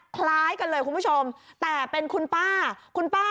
คล้ายกันเลยคุณผู้ชมแต่เป็นคุณป้าคุณป้า